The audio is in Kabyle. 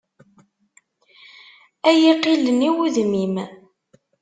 Ad yi-qilen, i wudem-im.